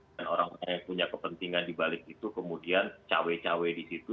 dan orang lain yang punya kepentingan dibalik itu kemudian cawe cawe di situ